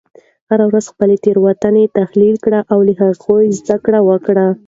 هره ورځ خپلې تیروتنې تحلیل کړه او له هغوی زده کړه وکړه.